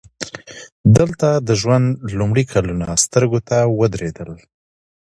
دلته د ژوند لومړي کلونه سترګو ته ودرېدل